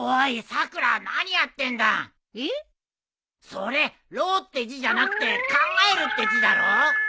それ「老」って字じゃなくて「考える」って字だろ。